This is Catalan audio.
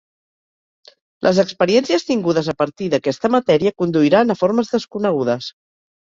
Les experiències tingudes a partir d'aquesta matèria conduiran a formes desconegudes.